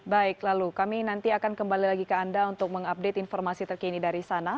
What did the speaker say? baik lalu kami nanti akan kembali lagi ke anda untuk mengupdate informasi terkini dari sana